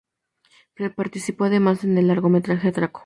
Participó además en el largometraje "¡Atraco!